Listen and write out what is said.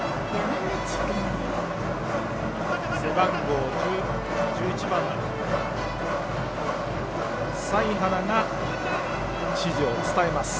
背番号１１番財原が指示を伝えます。